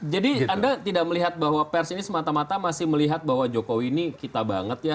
jadi anda tidak melihat bahwa pers ini semata mata masih melihat bahwa jokowi ini kita banget ya